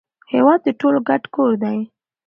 هیواد د ټولو ګډ کور دی.